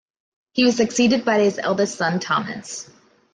He was succeeded by his eldest son Thomas.